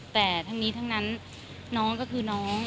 แต่ทั้งนี้ทั้งนั้นน้องก็คือน้อง